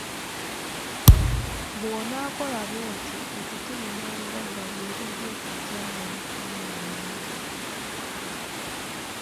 Bw'onaakola bwotyo ettutumu n'obugagga bye bijja okujja nga bikunoonya.